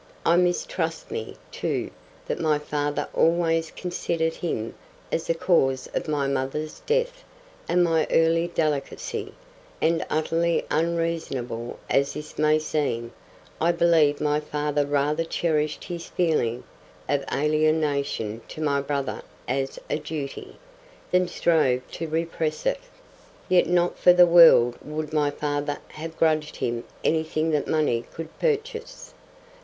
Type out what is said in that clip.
I mistrust me, too, that my father always considered him as the cause of my mother's death and my early delicacy; and utterly unreasonable as this may seem, I believe my father rather cherished his feeling of alienation to my brother as a duty, than strove to repress it. Yet not for the world would my father have grudged him anything that money could purchase.